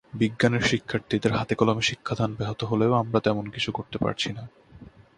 বিজ্ঞানের শিক্ষার্থীদের হাতেকলমে শিক্ষাদান ব্যাহত হলেও আমরা তেমন কিছু করতে পারছি না।